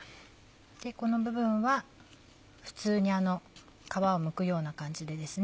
この部分は普通に皮をむくような感じでですね